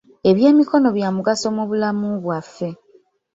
Eby'emikono bya mugaso mu bulamu bwaffe.